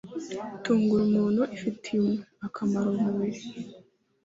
Tungurumu ifitiye akamaro umubiri